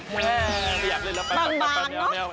ไม่ไม่อยากเล่นแล้วไปไม่เอา